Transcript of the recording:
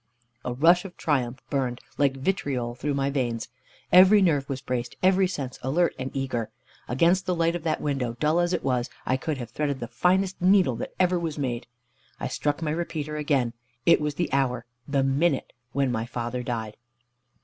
A rush of triumph burned, like vitriol, through my veins. Every nerve was braced, every sense alert and eager. Against the light of that window, dull as it was, I could have threaded the finest needle that ever was made. I struck my repeater again. It was the hour, the minute, when my father died.